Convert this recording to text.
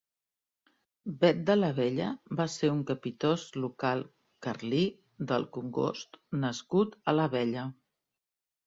Bet de l'Abella va ser un capitost local carlí del Congost nascut a l'Abella.